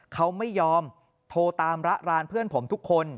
เขาไม่ยอมโทรตามระรานเพื่อนผมทุกคน